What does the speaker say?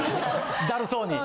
だるそうに？